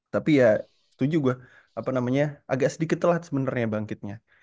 tapi ya setuju gue apa namanya agak sedikit telat sebenernya bangkitnya